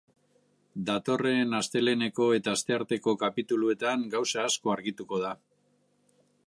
Datorren asteleheneko eta astearteko kapituluetan gauza asko argituko da.